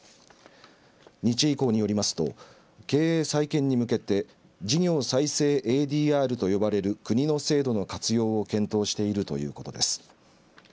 日医工によりますと経営再建に向けて事業再生ＡＤＲと呼ばれる国の制度の活用を検討しているということです。